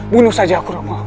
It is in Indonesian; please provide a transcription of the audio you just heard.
bunuh saja aku romo